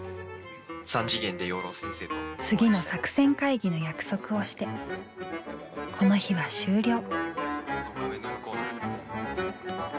次の作戦会議の約束をしてこの日は終了。